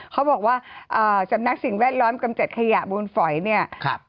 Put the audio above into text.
เขาบอกว่าสำนักสิ่งแวดล้อมกำจัดขยะมูลฝอยเนี่ย